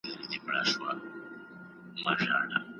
که ته مسواک ووهې نو زړه به دې صفا شي.